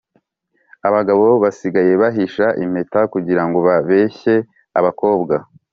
Abagabo basigaye bahisha impeta kugirango babeshye abakobwa